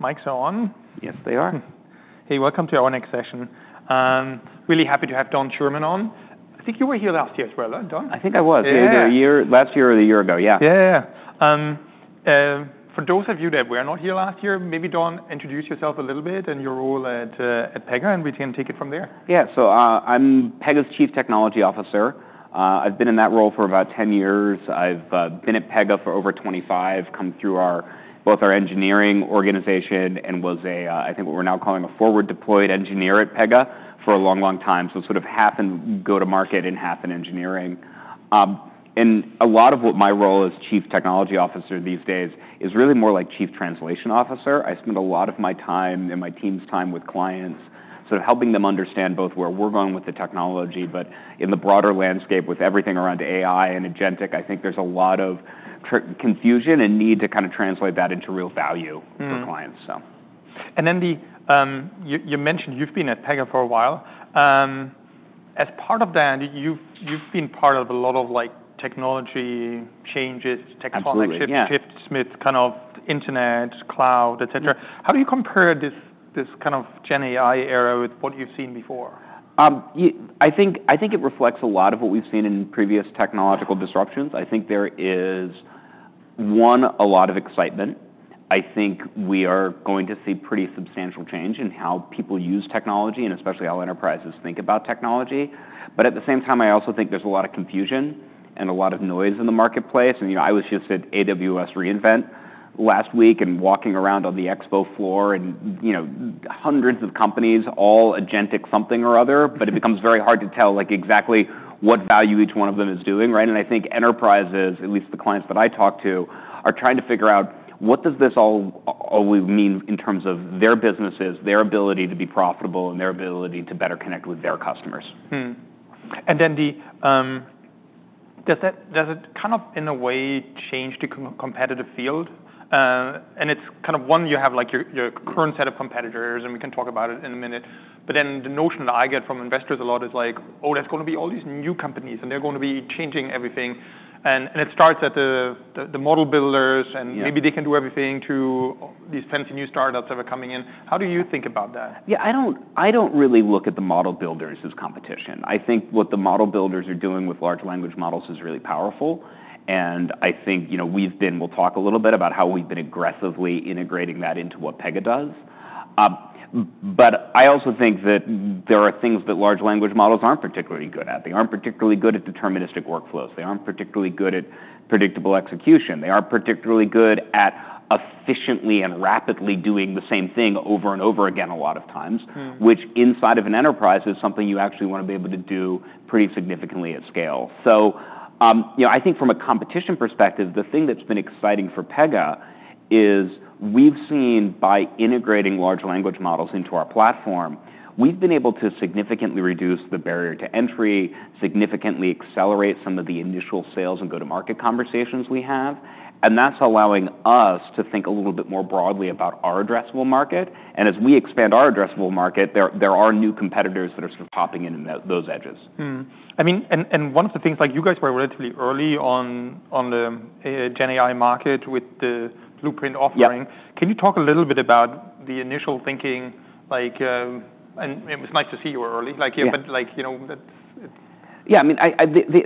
Mics, on? Yes, they are. Hey, welcome to our next session. Really happy to have Don Schuerman on. I think you were here last year as well, right, Don? I think I was. Yeah. Maybe a year last year or a year ago, yeah. Yeah, yeah, yeah. For those of you that were not here last year, maybe Don, introduce yourself a little bit and your role at, at Pega, and we can take it from there. Yeah, so, I'm Pega's Chief Technology Officer. I've been in that role for about 10 years. I've been at Pega for over 25, come through both our engineering organization, and was a, I think what we're now calling a forward-deployed engineer at Pega for a long, long time, so sort of half in go-to-market and half in engineering, and a lot of what my role as Chief Technology Officer these days is really more like Chief Translation Officer. I spend a lot of my time and my team's time with clients, sort of helping them understand both where we're going with the technology, but in the broader landscape with everything around AI and agentic, I think there's a lot of confusion and need to kind of translate that into real value for clients, so. You mentioned you've been at Pega for a while. As part of that, you've been part of a lot of, like, technology changes, tech shifts. Absolutely, yeah. Schuerman, kind of internet, cloud, etc. How do you compare this kind of Gen AI era with what you've seen before? I think it reflects a lot of what we've seen in previous technological disruptions. I think there is, one, a lot of excitement. I think we are going to see pretty substantial change in how people use technology, and especially how enterprises think about technology. But at the same time, I also think there's a lot of confusion and a lot of noise in the marketplace. You know, I was just at AWS re:Invent last week and walking around on the expo floor. You know, hundreds of companies, all agentic something or other, but it becomes very hard to tell, like, exactly what value each one of them is doing, right? I think enterprises, at least the clients that I talk to, are trying to figure out what does this all mean in terms of their businesses, their ability to be profitable, and their ability to better connect with their customers. And then, does it kind of, in a way, change the competitive field? And it's kind of one. You have, like, your current set of competitors, and we can talk about it in a minute. But then the notion that I get from investors a lot is, like, "Oh, there's going to be all these new companies, and they're going to be changing everything." And it starts at the model builders, and maybe they can do everything to these fancy new startups that are coming in. How do you think about that? Yeah, I don't, I don't really look at the model builders as competition. I think what the model builders are doing with large language models is really powerful. And I think, you know, we've been, we'll talk a little bit about how we've been aggressively integrating that into what Pega does. But I also think that there are things that large language models aren't particularly good at. They aren't particularly good at deterministic workflows. They aren't particularly good at predictable execution. They aren't particularly good at efficiently and rapidly doing the same thing over and over again a lot of times. Which inside of an enterprise is something you actually want to be able to do pretty significantly at scale. You know, I think from a competition perspective, the thing that's been exciting for Pega is we've seen by integrating large language models into our platform, we've been able to significantly reduce the barrier to entry, significantly accelerate some of the initial sales and go-to-market conversations we have, and that's allowing us to think a little bit more broadly about our addressable market, and as we expand our addressable market, there are new competitors that are sort of popping in those edges. I mean, one of the things, like, you guys were relatively early on the Gen AI market with the Blueprint offering. Yeah. Can you talk a little bit about the initial thinking, like, and it was nice to see you were early, like, you know, but, like, you know, that's. Yeah, I mean,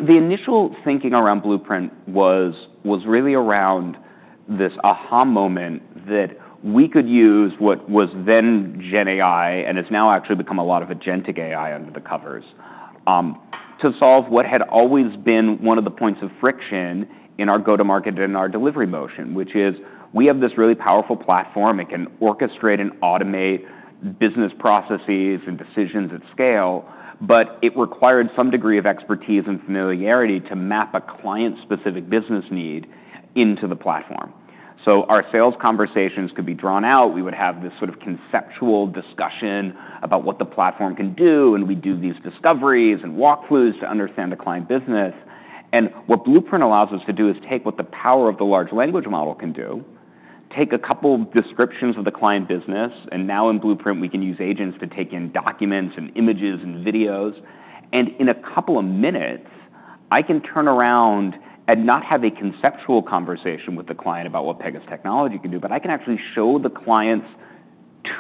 the initial thinking around Blueprint was really around this aha moment that we could use what was then Gen AI and has now actually become a lot of agentic AI under the covers, to solve what had always been one of the points of friction in our go-to-market and our delivery motion, which is we have this really powerful platform. It can orchestrate and automate business processes and decisions at scale, but it required some degree of expertise and familiarity to map a client-specific business need into the platform. So our sales conversations could be drawn out. We would have this sort of conceptual discussion about what the platform can do, and we'd do these discoveries and walkthroughs to understand the client business. And what Blueprint allows us to do is take what the power of the large language model can do, take a couple descriptions of the client business, and now in Blueprint, we can use agents to take in documents and images and videos. And in a couple of minutes, I can turn around and not have a conceptual conversation with the client about what Pega's technology can do, but I can actually show the client's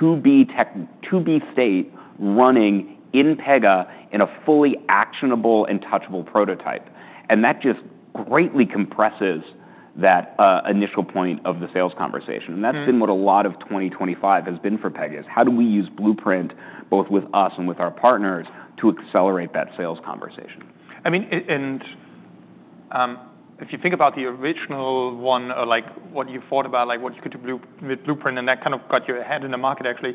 to-be tech to-be state running in Pega in a fully actionable and touchable prototype. And that just greatly compresses that initial point of the sales conversation. And that's been what a lot of 2025 has been for Pega: how do we use Blueprint both with us and with our partners to accelerate that sales conversation? I mean, and if you think about the original one, or like what you thought about, like what you could do with Blueprint, and that kind of got your head in the market, actually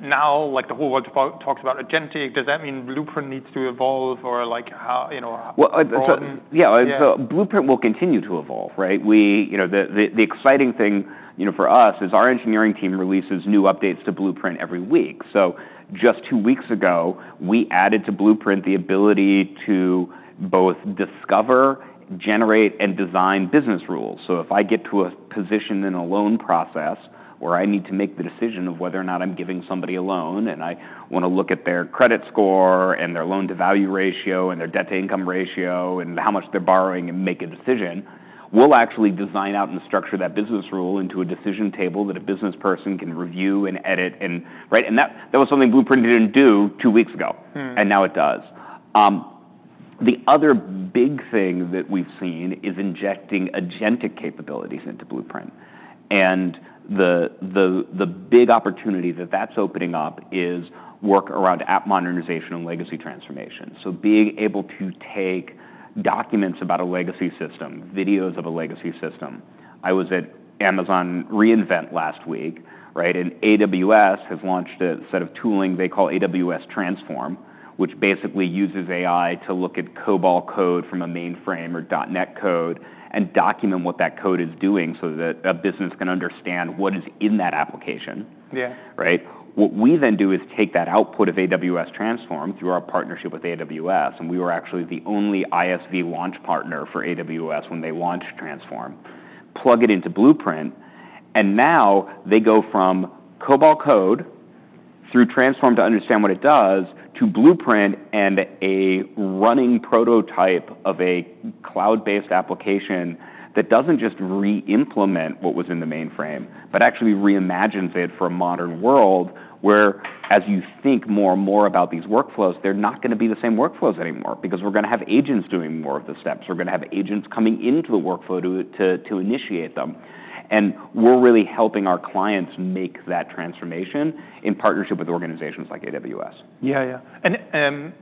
now like the whole world talks about agentic. Does that mean Blueprint needs to evolve, or like how, you know, how? Blueprint will continue to evolve, right? We, you know, the exciting thing, you know, for us is our engineering team releases new updates to Blueprint every week. So just two weeks ago, we added to Blueprint the ability to both discover, generate, and design business rules. So if I get to a position in a loan process where I need to make the decision of whether or not I'm giving somebody a loan, and I want to look at their credit score and their loan-to-value ratio and their debt-to-income ratio and how much they're borrowing and make a decision, we'll actually design out and structure that business rule into a decision table that a business person can review and edit and, right? That was something Blueprint didn't do two weeks ago. Now it does. The other big thing that we've seen is injecting agentic capabilities into Blueprint. And the big opportunity that that's opening up is work around app modernization and legacy transformation. So being able to take documents about a legacy system, videos of a legacy system. I was at Amazon re:Invent last week, right? And AWS has launched a set of tooling they call AWS Transform, which basically uses AI to look at COBOL code from a mainframe or .NET code and document what that code is doing so that a business can understand what is in that application. Yeah. Right? What we then do is take that output of AWS Transform through our partnership with AWS, and we were actually the only ISV launch partner for AWS when they launched Transform, plug it into Blueprint, and now they go from COBOL code through Transform to understand what it does to Blueprint and a running prototype of a cloud-based application that doesn't just re-implement what was in the mainframe, but actually reimagines it for a modern world where, as you think more and more about these workflows, they're not going to be the same workflows anymore because we're going to have agents doing more of the steps. We're going to have agents coming into the workflow to initiate them. We're really helping our clients make that transformation in partnership with organizations like AWS. Yeah, yeah, and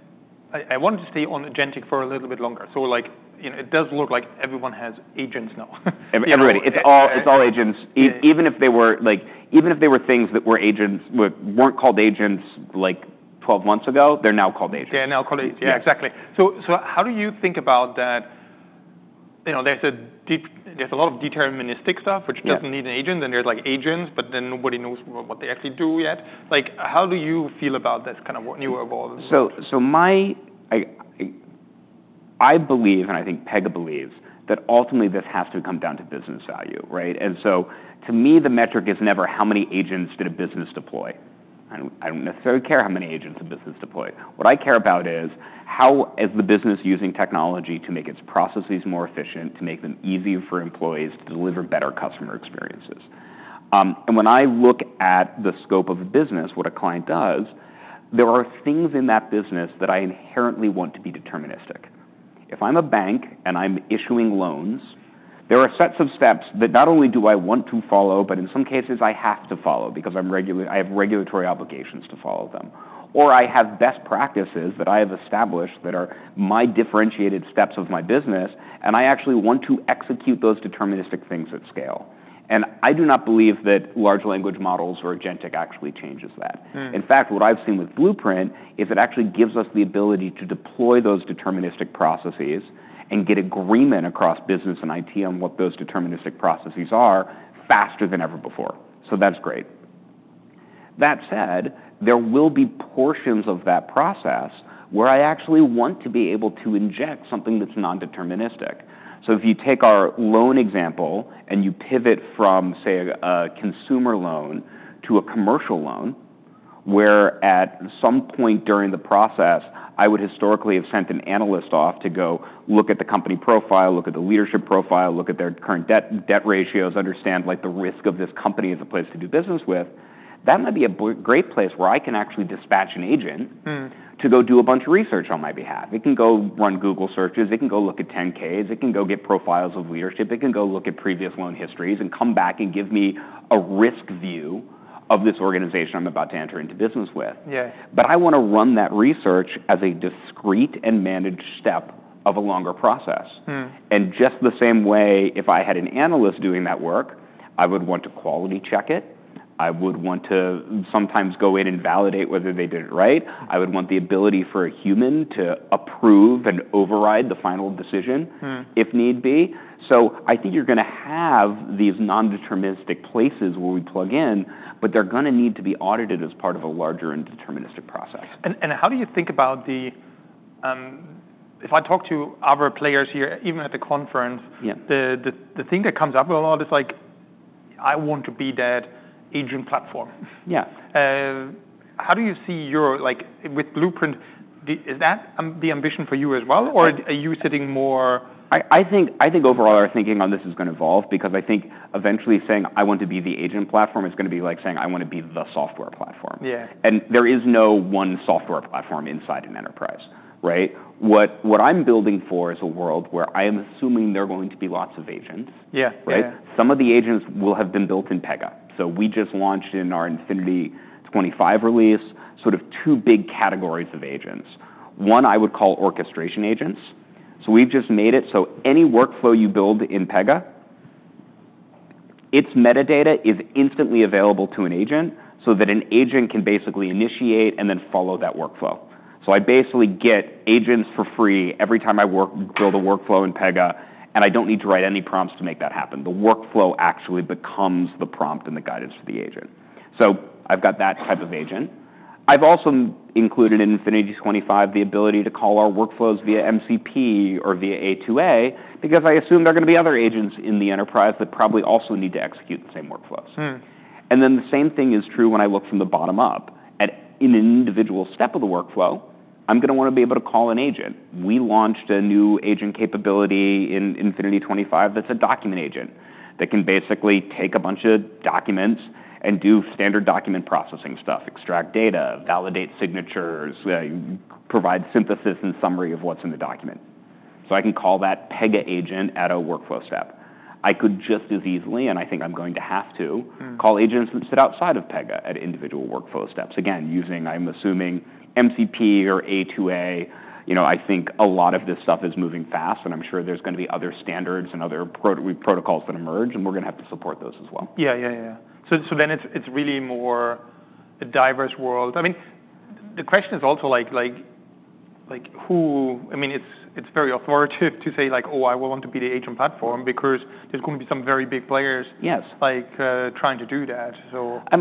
I wanted to stay on agentic for a little bit longer, so like, you know, it does look like everyone has agents now. Everybody. It's all, it's all agents. Yeah. Even if they were, like, even if they were things that were agents, weren't called agents like 12 months ago, they're now called agents. They're now called agents. Yeah, exactly. So, so how do you think about that? You know, there's a deep, there's a lot of deterministic stuff which doesn't need an agent, and there's, like, agents, but then nobody knows what they actually do yet. Like, how do you feel about this kind of new evolving? So, I believe, and I think Pega believes, that ultimately this has to come down to business value, right? And so to me, the metric is never how many agents did a business deploy. I don't necessarily care how many agents a business deployed. What I care about is how is the business using technology to make its processes more efficient, to make them easier for employees, to deliver better customer experiences, and when I look at the scope of a business, what a client does, there are things in that business that I inherently want to be deterministic. If I'm a bank and I'm issuing loans, there are sets of steps that not only do I want to follow, but in some cases I have to follow because I have regulatory obligations to follow them. Or, I have best practices that I have established that are my differentiated steps of my business, and I actually want to execute those deterministic things at scale. And I do not believe that large language models or agentic actually changes that. In fact, what I've seen with Blueprint is it actually gives us the ability to deploy those deterministic processes and get agreement across business and IT on what those deterministic processes are faster than ever before. So that's great. That said, there will be portions of that process where I actually want to be able to inject something that's non-deterministic. So if you take our loan example and you pivot from, say, a consumer loan to a commercial loan, where at some point during the process, I would historically have sent an analyst off to go look at the company profile, look at the leadership profile, look at their current debt, debt ratios, understand, like, the risk of this company as a place to do business with, that might be a great place where I can actually dispatch an agent to go do a bunch of research on my behalf. It can go run Google searches. It can go look at 10-Ks. It can go get profiles of leadership. It can go look at previous loan histories and come back and give me a risk view of this organization I'm about to enter into business with. Yeah. But I want to run that research as a discreet and managed step of a longer process. And just the same way, if I had an analyst doing that work, I would want to quality check it. I would want to sometimes go in and validate whether they did it right. I would want the ability for a human to approve and override the final decision. If need be. So I think you're going to have these non-deterministic places where we plug in, but they're going to need to be audited as part of a larger and deterministic process. And how do you think about the, if I talk to other players here, even at the conference. Yeah. The thing that comes up a lot is, like, "I want to be that agent platform. Yeah. How do you see your, like, with Blueprint, is that, the ambition for you as well, or are you sitting more? I think overall our thinking on this is going to evolve because I think eventually saying, "I want to be the agent platform," is going to be, like, saying, "I want to be the software platform. Yeah. And there is no one software platform inside an enterprise, right? What, what I'm building for is a world where I am assuming there are going to be lots of agents. Yeah. Right? Some of the agents will have been built in Pega. So we just launched in our Infinity 25 release sort of two big categories of agents. One, I would call orchestration agents. So we've just made it so any workflow you build in Pega, its metadata is instantly available to an agent so that an agent can basically initiate and then follow that workflow. So I basically get agents for free every time I work, build a workflow in Pega, and I don't need to write any prompts to make that happen. The workflow actually becomes the prompt and the guidance for the agent. So I've got that type of agent. I've also included in Infinity 25 the ability to call our workflows via MCP or via A2A because I assume there are going to be other agents in the enterprise that probably also need to execute the same workflows, and then the same thing is true when I look from the bottom up. At an individual step of the workflow, I'm going to want to be able to call an agent. We launched a new agent capability in Infinity 25 that's a document agent that can basically take a bunch of documents and do standard document processing stuff, extract data, validate signatures, provide synthesis and summary of what's in the document. So I can call that Pega agent at a workflow step. I could just as easily, and I think I'm going to have to. Call agents that sit outside of Pega at individual workflow steps, again, using, I'm assuming, MCP or A2A. You know, I think a lot of this stuff is moving fast, and I'm sure there's going to be other standards and other protocols that emerge, and we're going to have to support those as well. Yeah. So then it's really more a diverse world. I mean, the question is also, like, who. I mean, it's very authoritative to say, like, "Oh, I want to be the agent platform because there's going to be some very big players. Yes. Like, trying to do that, so. I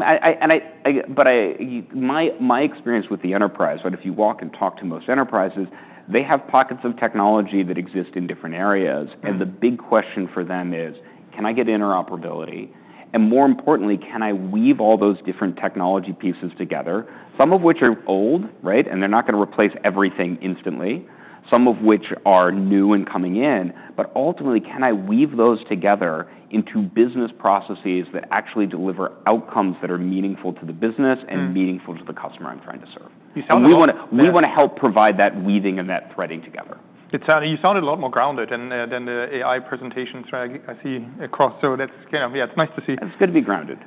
mean, my experience with the enterprise, right, if you walk and talk to most enterprises, they have pockets of technology that exist in different areas. And the big question for them is, "Can I get interoperability?" And more importantly, "Can I weave all those different technology pieces together?" Some of which are old, right, and they're not going to replace everything instantly. Some of which are new and coming in, but ultimately, "Can I weave those together into business processes that actually deliver outcomes that are meaningful to the business and meaningful to the customer I'm trying to serve? You sound like. We want to help provide that weaving and that threading together. It sounded, you sounded a lot more grounded than the AI presentations, right? I see across, so that's kind of, yeah, it's nice to see. That's good to be grounded.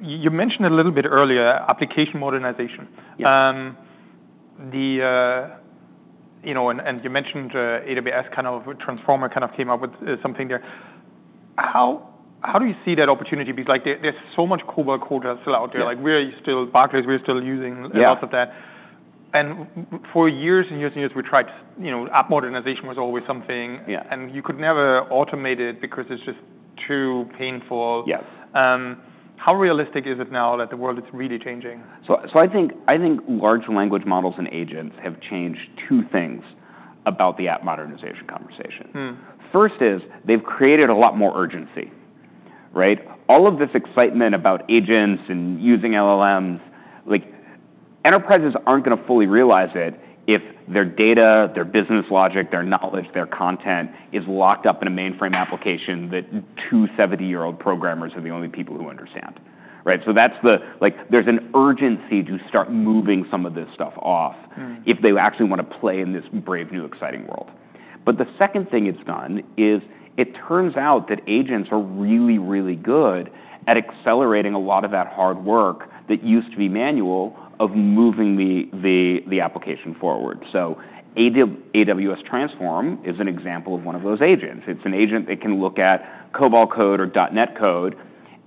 You mentioned a little bit earlier application modernization. Yeah. you know, and you mentioned AWS kind of Transform kind of came up with something there. How do you see that opportunity? Because, like, there's so much COBOL code that's still out there. Like, we're still, Barclays, we're still using the alphabet. And for years and years and years, we tried, you know. App modernization was always something. Yeah. You could never automate it because it's just too painful. Yeah. How realistic is it now that the world is really changing? I think large language models and agents have changed two things about the app modernization conversation. First is they've created a lot more urgency, right? All of this excitement about agents and using LLMs, like, enterprises aren't going to fully realize it if their data, their business logic, their knowledge, their content is locked up in a mainframe application that two 70-year-old programmers are the only people who understand, right? So that's like, there's an urgency to start moving some of this stuff off if they actually want to play in this brave new exciting world. But the second thing it's done is it turns out that agents are really, really good at accelerating a lot of that hard work that used to be manual of moving the application forward. So AWS Transform is an example of one of those agents. It's an agent that can look at COBOL code or .NET code,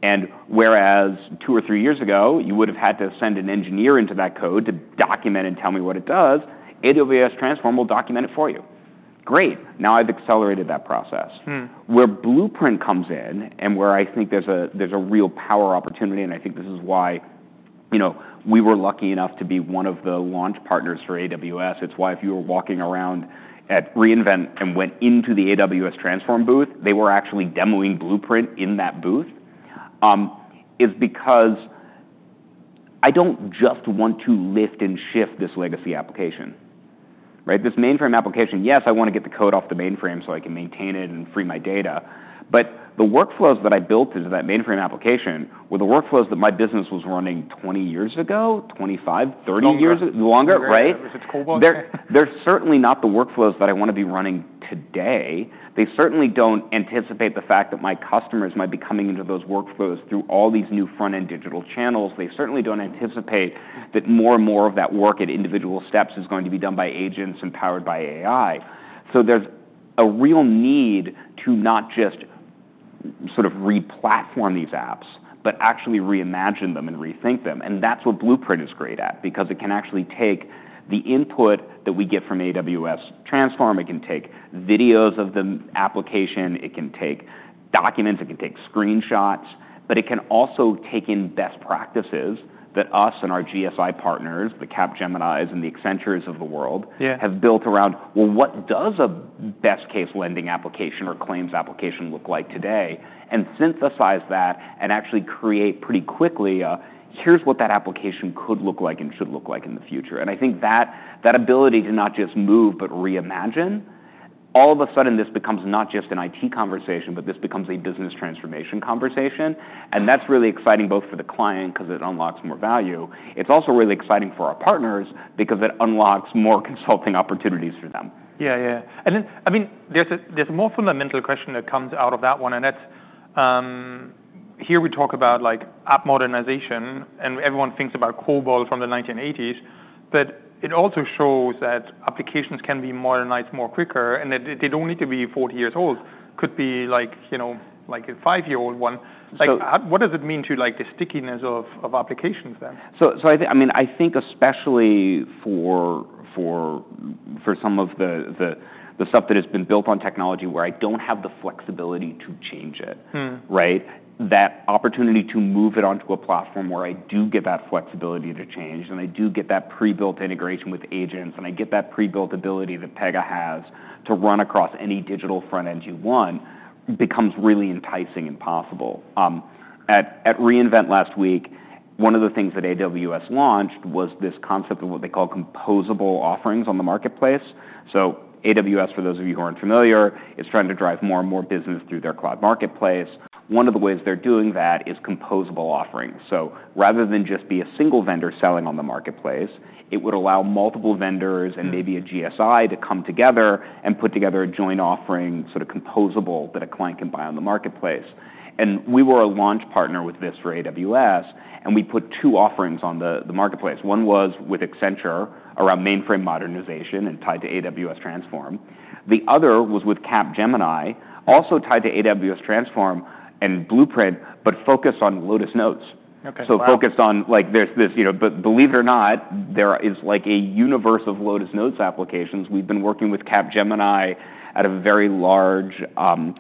and whereas two or three years ago, you would have had to send an engineer into that code to document and tell me what it does, AWS Transform will document it for you. Great. Now I've accelerated that process. Where Blueprint comes in and where I think there's a real power opportunity, and I think this is why, you know, we were lucky enough to be one of the launch partners for AWS. It's why if you were walking around at re:Invent and went into the AWS Transform booth, they were actually demoing Blueprint in that booth, is because I don't just want to lift and shift this legacy application, right? This mainframe application, yes, I want to get the code off the mainframe so I can maintain it and free my data. But the workflows that I built into that mainframe application were the workflows that my business was running 20 years ago, 25, 30 years ago. Longer. Longer, right? If it's COBOL. They're certainly not the workflows that I want to be running today. They certainly don't anticipate the fact that my customers might be coming into those workflows through all these new front-end digital channels. They certainly don't anticipate that more and more of that work at individual steps is going to be done by agents and powered by AI. So there's a real need to not just sort of re-platform these apps, but actually reimagine them and rethink them. And that's what Blueprint is great at because it can actually take the input that we get from AWS Transform. It can take videos of the application. It can take documents. It can take screenshots. But it can also take in best practices that us and our GSI partners, the Capgeminis and the Accentures of the world. Yeah. Have built around, "Well, what does a best-case lending application or claims application look like today?" And synthesize that and actually create pretty quickly a, "Here's what that application could look like and should look like in the future." And I think that, that ability to not just move, but reimagine, all of a sudden this becomes not just an IT conversation, but this becomes a business transformation conversation. And that's really exciting both for the client because it unlocks more value. It's also really exciting for our partners because it unlocks more consulting opportunities for them. Yeah, yeah. And then, I mean, there's a more fundamental question that comes out of that one, and that's, here we talk about, like, app modernization, and everyone thinks about COBOL from the 1980s, but it also shows that applications can be modernized more quicker and that they don't need to be 40 years old. Could be, like, you know, like a five-year-old one. So. Like, what does it mean to, like, the stickiness of applications then? So I think, I mean, I think especially for some of the stuff that has been built on technology where I don't have the flexibility to change it. Right? That opportunity to move it onto a platform where I do get that flexibility to change, and I do get that pre-built integration with agents, and I get that pre-built ability that Pega has to run across any digital front end you want becomes really enticing and possible. At re:Invent last week, one of the things that AWS launched was this concept of what they call composable offerings on the marketplace. So AWS, for those of you who aren't familiar, is trying to drive more and more business through their cloud marketplace. One of the ways they're doing that is composable offerings. So rather than just be a single vendor selling on the marketplace, it would allow multiple vendors and maybe a GSI to come together and put together a joint offering, sort of composable, that a client can buy on the marketplace. And we were a launch partner with this for AWS, and we put two offerings on the marketplace. One was with Accenture around mainframe modernization and tied to AWS Transform. The other was with Capgemini, also tied to AWS Transform and Blueprint, but focused on Lotus Notes. Okay. So, focused on, like, there's this, you know. But believe it or not, there is, like, a universe of Lotus Notes applications. We've been working with Capgemini at a very large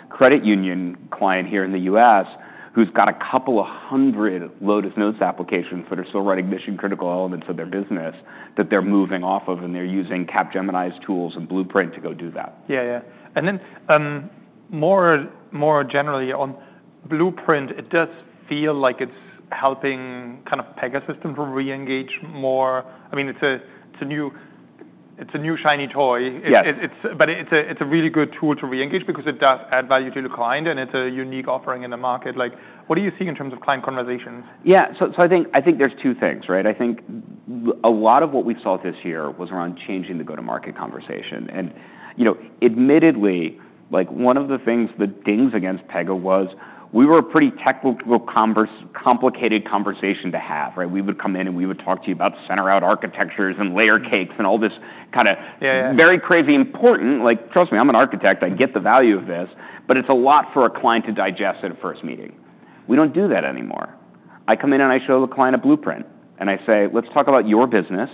credit union client here in the US who's got a couple of hundred Lotus Notes applications that are still running mission-critical elements of their business that they're moving off of, and they're using Capgemini's tools and Blueprint to go do that. Yeah, yeah. And then, more generally on Blueprint, it does feel like it's helping kind of Pega system to re-engage more. I mean, it's a new shiny toy. Yeah. But it's a really good tool to re-engage because it does add value to the client, and it's a unique offering in the market. Like, what do you see in terms of client conversations? Yeah. So I think there's two things, right? I think a lot of what we saw this year was around changing the go-to-market conversation, and you know, admittedly, like, one of the things that dings against Pega was we were a pretty technical, complicated conversation to have, right? We would come in and we would talk to you about Center-out architectures and layer cakes and all this kind of. Yeah. Very crazy important. Like, trust me, I'm an architect. I get the value of this, but it's a lot for a client to digest at a first meeting. We don't do that anymore. I come in and I show the client a Blueprint, and I say, "Let's talk about your business,"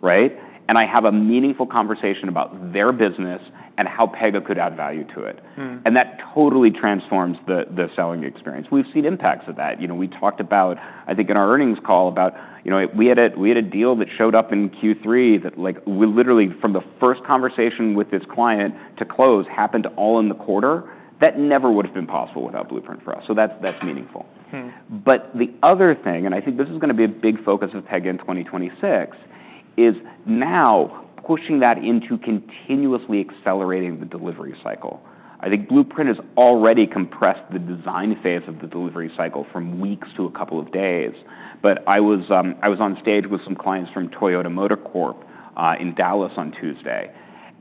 right? And I have a meaningful conversation about their business and how Pega could add value to it. And that totally transforms the selling experience. We've seen impacts of that. You know, we talked about, I think in our earnings call about, you know, we had a deal that showed up in Q3 that, like, we literally, from the first conversation with this client to close, happened all in the quarter. That never would have been possible without Blueprint for us. So that's meaningful. But the other thing, and I think this is going to be a big focus of Pega in 2026, is now pushing that into continuously accelerating the delivery cycle. I think Blueprint has already compressed the design phase of the delivery cycle from weeks to a couple of days. But I was on stage with some clients from Toyota Motor Corp, in Dallas on Tuesday,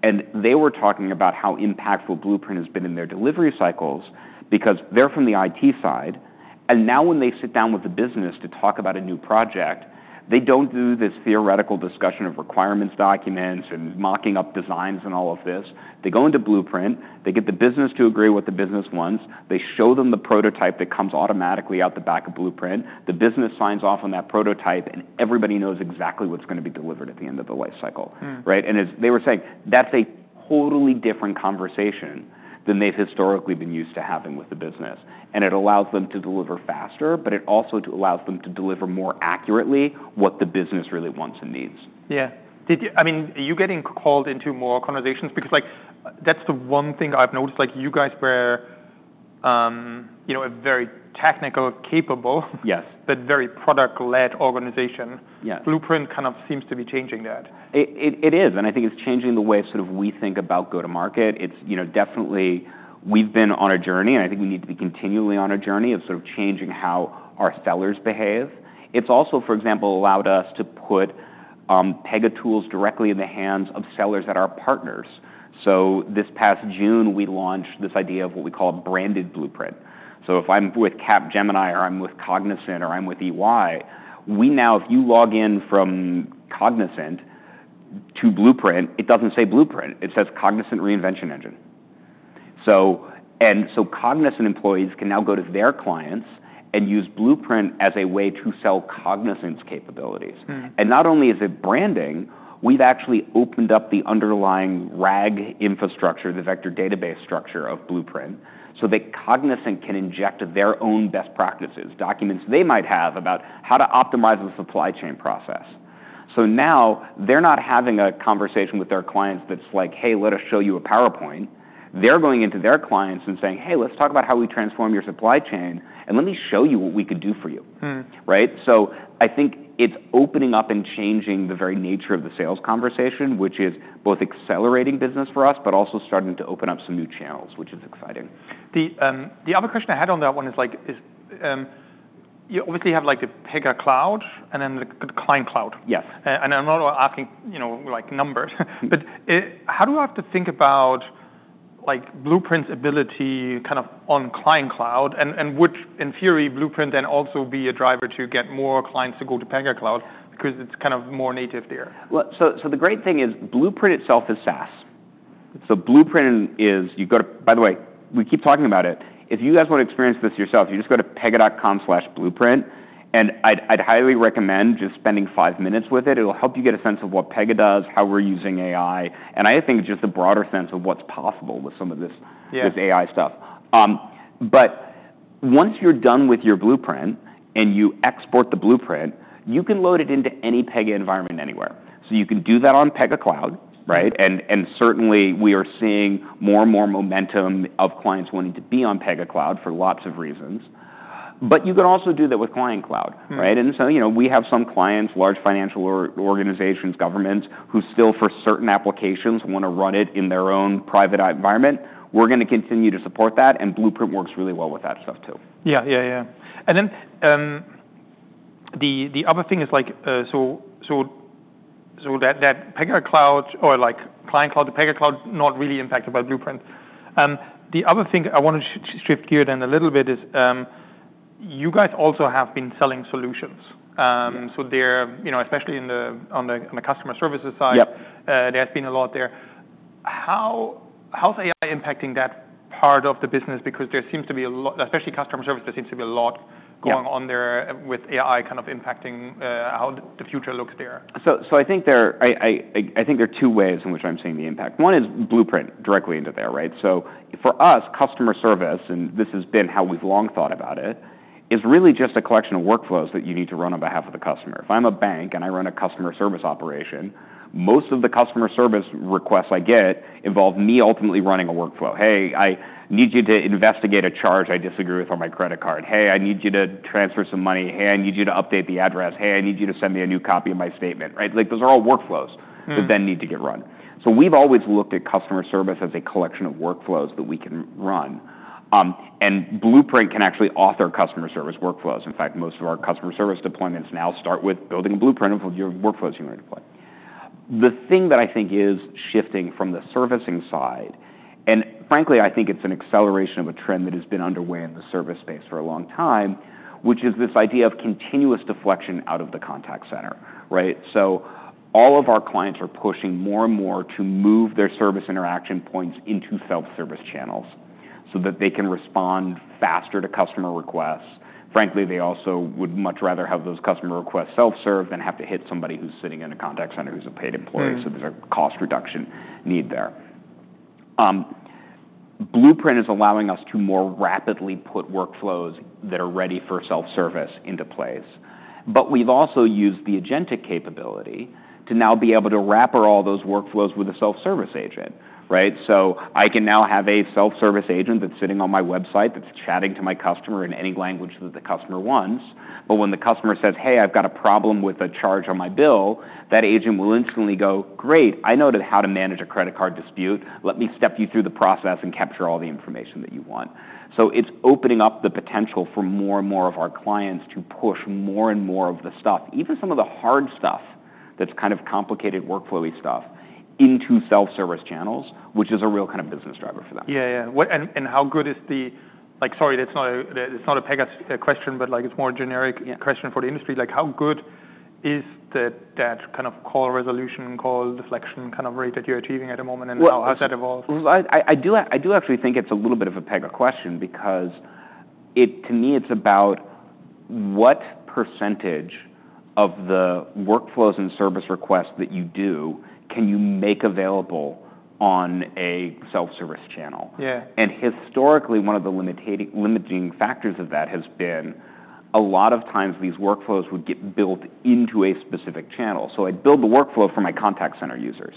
and they were talking about how impactful Blueprint has been in their delivery cycles because they're from the IT side. And now when they sit down with the business to talk about a new project, they don't do this theoretical discussion of requirements documents and mocking up designs and all of this. They go into Blueprint, they get the business to agree with what the business wants, they show them the prototype that comes automatically out the back of Blueprint, the business signs off on that prototype, and everybody knows exactly what's going to be delivered at the end of the life cycle. Right? And as they were saying, that's a totally different conversation than they've historically been used to having with the business. And it allows them to deliver faster, but it also allows them to deliver more accurately what the business really wants and needs. Yeah. Did you, I mean, are you getting called into more conversations? Because, like, that's the one thing I've noticed, like, you guys were, you know, a very technical, capable. Yes. But very product-led organization. Yes. Blueprint kind of seems to be changing that. It is, and I think it's changing the way sort of we think about go-to-market. It's, you know, definitely, we've been on a journey, and I think we need to be continually on a journey of sort of changing how our sellers behave. It's also, for example, allowed us to put Pega tools directly in the hands of sellers that are our partners. So this past June, we launched this idea of what we call a branded Blueprint. So if I'm with Capgemini or I'm with Cognizant or I'm with EY, we now, if you log in from Cognizant to Blueprint, it doesn't say Blueprint. It says Cognizant Reinvention Engine. So, and so Cognizant employees can now go to their clients and use Blueprint as a way to sell Cognizant's capabilities. Not only is it branding, we've actually opened up the underlying RAG infrastructure, the vector database structure of Blueprint, so that Cognizant can inject their own best practices, documents they might have about how to optimize the supply chain process. So now they're not having a conversation with their clients that's like, "Hey, let us show you a PowerPoint." They're going into their clients and saying, "Hey, let's talk about how we transform your supply chain, and let me show you what we could do for you." Right? So I think it's opening up and changing the very nature of the sales conversation, which is both accelerating business for us, but also starting to open up some new channels, which is exciting. The other question I had on that one is like, you obviously have, like, the Pega Cloud and then the client cloud. Yes. and I'm not asking, you know, like, numbers, but how do you have to think about, like, Blueprint's ability kind of on client cloud and, and would, in theory, Blueprint then also be a driver to get more clients to go to Pega Cloud because it's kind of more native there? So the great thing is Blueprint itself is SaaS. So Blueprint is. You go to, by the way, we keep talking about it. If you guys want to experience this yourself, you just go to pega.com/blueprint, and I'd highly recommend just spending five minutes with it. It'll help you get a sense of what Pega does, how we're using AI, and I think just a broader sense of what's possible with some of this. Yeah. This AI stuff, but once you're done with your Blueprint and you export the Blueprint, you can load it into any Pega environment anywhere, so you can do that on Pega Cloud, right, and certainly we are seeing more and more momentum of clients wanting to be on Pega Cloud for lots of reasons, but you can also do that with client cloud, right, and so you know, we have some clients, large financial organizations, governments, who still for certain applications want to run it in their own private environment. We're going to continue to support that, and Blueprint works really well with that stuff too. Yeah, yeah, yeah. And then, the other thing is like, so that Pega Cloud or, like, client cloud to Pega Cloud, not really impacted by Blueprint. The other thing I want to shift gear then a little bit is, you guys also have been selling solutions. Yes. So they're, you know, especially on the customer services side. Yep. There has been a lot there. How, how's AI impacting that part of the business? Because there seems to be a lot, especially customer service, there seems to be a lot going on there with AI kind of impacting, how the future looks there. So I think there are two ways in which I'm seeing the impact. One is Blueprint directly into there, right? So for us, customer service, and this has been how we've long thought about it, is really just a collection of workflows that you need to run on behalf of the customer. If I'm a bank and I run a customer service operation, most of the customer service requests I get involve me ultimately running a workflow. "Hey, I need you to investigate a charge I disagree with on my credit card. Hey, I need you to transfer some money. Hey, I need you to update the address. Hey, I need you to send me a new copy of my statement," right? Like, those are all workflows. That then need to get run. So we've always looked at customer service as a collection of workflows that we can run. And Blueprint can actually author customer service workflows. In fact, most of our customer service deployments now start with building a Blueprint of your workflows you want to deploy. The thing that I think is shifting from the servicing side, and frankly, I think it's an acceleration of a trend that has been underway in the service space for a long time, which is this idea of continuous deflection out of the contact center, right? So all of our clients are pushing more and more to move their service interaction points into self-service channels so that they can respond faster to customer requests. Frankly, they also would much rather have those customer requests self-served than have to hit somebody who's sitting in a contact center who's a paid employee. There's a cost reduction need there. Blueprint is allowing us to more rapidly put workflows that are ready for self-service into place. But we've also used the agentic capability to now be able to wrap all those workflows with a self-service agent, right? So I can now have a self-service agent that's sitting on my website that's chatting to my customer in any language that the customer wants. But when the customer says, "Hey, I've got a problem with a charge on my bill," that agent will instantly go, "Great. I know how to manage a credit card dispute. Let me step you through the process and capture all the information that you want." So it's opening up the potential for more and more of our clients to push more and more of the stuff, even some of the hard stuff that's kind of complicated workflowy stuff, into self-service channels, which is a real kind of business driver for them. Yeah, yeah. What, and how good is the, like, sorry, that's not a Pega question, but like, it's more generic. Yeah. Question for the industry. Like, how good is that, that kind of call resolution, call deflection kind of rate that you're achieving at the moment, and how has that evolved? I actually think it's a little bit of a Pega question because, to me, it's about what percentage of the workflows and service requests that you do can you make available on a self-service channel. Yeah. Historically, one of the limiting factors of that has been a lot of times these workflows would get built into a specific channel. I'd build the workflow for my contact center users.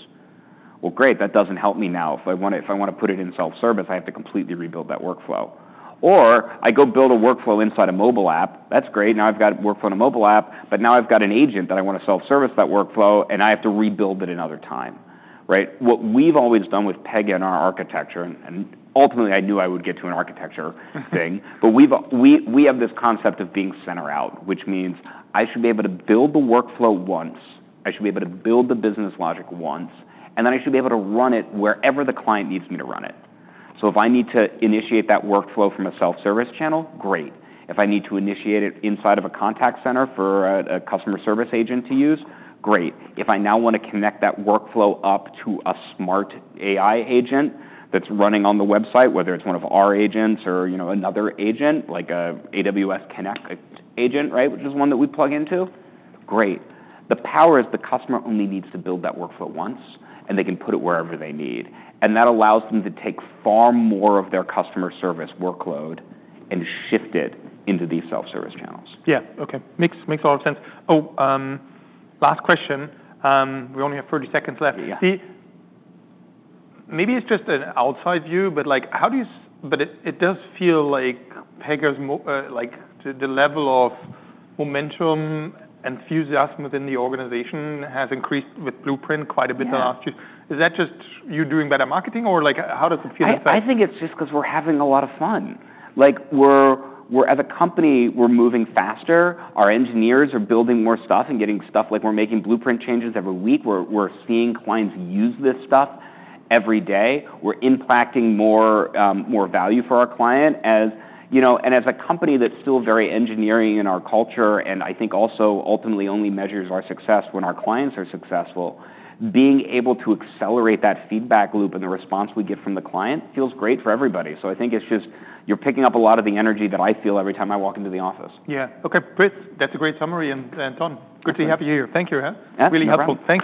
Great. That doesn't help me now. If I want to put it in self-service, I have to completely rebuild that workflow. I go build a workflow inside a mobile app. That's great. Now I've got a workflow in a mobile app, but now I've got an agent that I want to self-service that workflow, and I have to rebuild it another time, right? What we've always done with Pega and our architecture, and ultimately I knew I would get to an architecture thing, but we have this concept of being center-out, which means I should be able to build the workflow once, I should be able to build the business logic once, and then I should be able to run it wherever the client needs me to run it. So if I need to initiate that workflow from a self-service channel, great. If I need to initiate it inside of a contact center for a customer service agent to use, great. If I now want to connect that workflow up to a smart AI agent that's running on the website, whether it's one of our agents or, you know, another agent, like an AWS Connect agent, right, which is one that we plug into, great. The power is the customer only needs to build that workflow once, and they can put it wherever they need, and that allows them to take far more of their customer service workload and shift it into these self-service channels. Yeah. Okay. Makes a lot of sense. Oh, last question. We only have 30 seconds left. Yeah. Maybe it's just an outside view, but like, it does feel like Pega's, like, the level of momentum and enthusiasm within the organization has increased with Blueprint quite a bit the last year. Is that just you doing better marketing or like, how does it feel inside? I think it's just because we're having a lot of fun. Like, we're as a company, we're moving faster. Our engineers are building more stuff and getting stuff, like, we're making Blueprint changes every week. We're seeing clients use this stuff every day. We're impacting more value for our client as, you know, and as a company that's still very engineering in our culture, and I think also ultimately only measures our success when our clients are successful, being able to accelerate that feedback loop and the response we get from the client feels great for everybody. So I think it's just, you're picking up a lot of the energy that I feel every time I walk into the office. Yeah. Okay. Great. That's a great summary, and Dom. Good to have you here. Thank you, huh? Absolutely. Really helpful. Thank you.